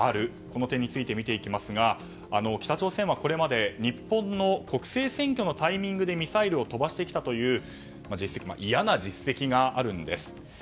この点について見ていきますが北朝鮮はこれまで日本の国政選挙のタイミングでミサイルを飛ばしてきたという嫌な実績があるんです。